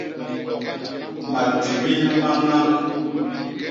Matibil ma ñañ.